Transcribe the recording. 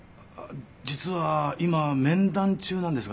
実は今面談中なんですが。